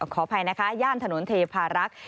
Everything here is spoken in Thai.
ขออภัยนะคะย่านถนนเทพารักษ์